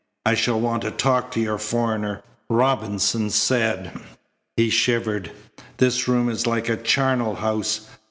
"I shall want to talk to your foreigner," Robinson said. He shivered. "This room is like a charnel house.